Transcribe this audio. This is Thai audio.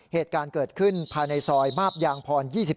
เหตุการณ์เกิดขึ้นภายในซอยมาบยางพร๒๔